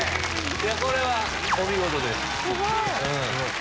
これはお見事です。